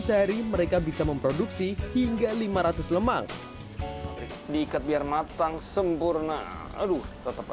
sehari mereka bisa memproduksi hingga lima ratus lemang diikat biar matang sempurna aduh tetap